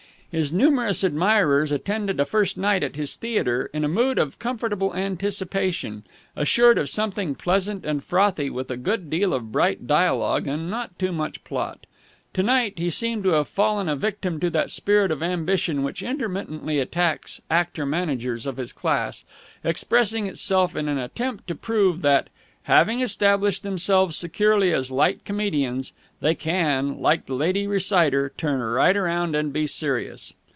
His numerous admirers attended a first night at his theatre in a mood of comfortable anticipation, assured of something pleasant and frothy with a good deal of bright dialogue and not too much plot. To night he seemed to have fallen a victim to that spirit of ambition which intermittently attacks actor managers of his class, expressing itself in an attempt to prove that, having established themselves securely as light comedians, they can, like the lady reciter, turn right around and be serious.